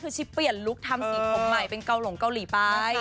คือชิปเปลี่ยนลุคทำสีผมใหม่เป็นเกาหลงเกาหลีไป